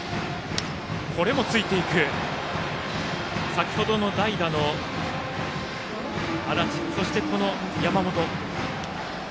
先程の代打の安達そして、この山本。